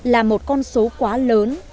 là một con số quá lớn